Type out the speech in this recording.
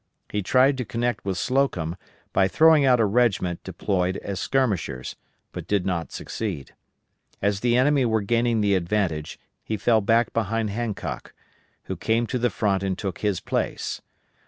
He tried to connect with Slocum by throwing out a regiment deployed as skirmishers, but did not succeed. As the enemy were gaining the advantage he fell back behind Hancock, who came to the front and took his place.